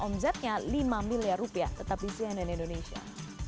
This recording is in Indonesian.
omzetnya lima miliar rupiah tetap di cnn indonesia